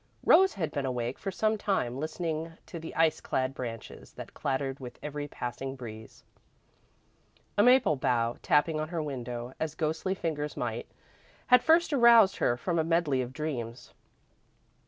Rose had been awake for some time, listening to the ice clad branches that clattered with every passing breeze. A maple bough, tapping on her window as ghostly fingers might, had first aroused her from a medley of dreams.